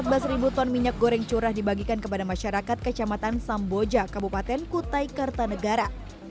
empat belas ton minyak goreng curah dibagikan kepada masyarakat kecamatan samboja kabupaten kutai kartanegara